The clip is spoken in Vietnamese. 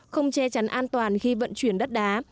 không che chắn an toàn khi vận chuyển đất đá